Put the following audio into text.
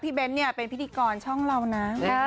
เบ้นเนี่ยเป็นพิธีกรช่องเรานะ